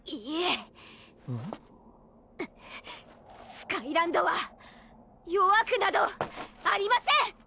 スカイランドは弱くなどありません！